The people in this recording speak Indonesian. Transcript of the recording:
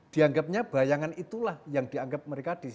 dianggapnya bayangan itulah yang dianggap mereka